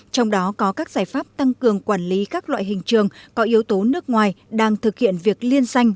trong đó có các giải pháp tăng cường quản lý các loại hình trường có yếu tố nước ngoài đang thực hiện việc liên xanh